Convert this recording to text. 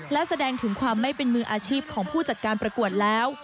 และแสดงถึงความไม่เป็นมืออาชีพของผู้จัดการประกวดแล้ว